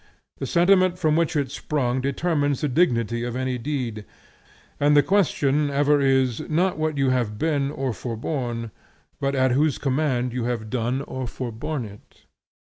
The sentiment from which it sprung determines the dignity of any deed, and the question ever is, not what you have done or forborne, but at whose command you have done or forborne it.